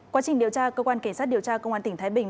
quá trình điều tra cơ quan cảnh sát điều tra công an tỉnh thái bình